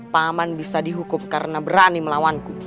paman bisa dihukum karena berani melawanku